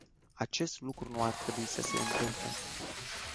Acest lucru nu ar trebui să se întâmple.